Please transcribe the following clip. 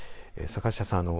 坂下さん